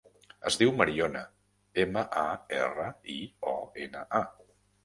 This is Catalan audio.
Es diu Mariona: ema, a, erra, i, o, ena, a.